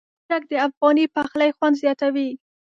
مرچک د افغاني پخلي خوند زیاتوي.